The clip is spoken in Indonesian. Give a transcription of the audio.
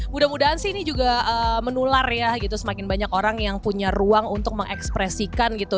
mudah mudahan sih ini juga menular ya gitu semakin banyak orang yang punya ruang untuk mengekspresikan gitu